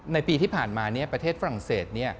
ในปีที่ผ่านมาประเทศฝรั่งเศส